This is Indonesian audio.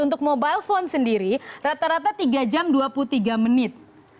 untuk mobile phone sendiri rata rata tiga jam dua puluh tiga menit